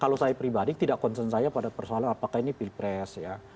kalau saya pribadi tidak concern saya pada persoalan apakah ini pilpres ya